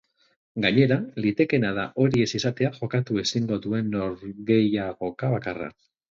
Gainera, litekeena da hori ez izatea jokatu ezingo duen norgehiagoka bakarra.